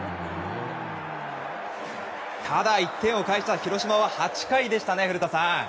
ただ、１点を返した広島は８回でしたね、古田さん。